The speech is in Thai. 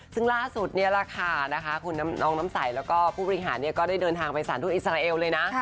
ซึ่งล่าสุดนี่แหละค่ะคุณน้องน้ำใสแล้วก็ผู้บริหารก็ได้เดินทางไปสารทุกอิสราเอลเลยนะ